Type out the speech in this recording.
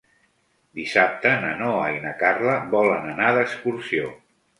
Dissabte na Noa i na Carla volen anar d'excursió.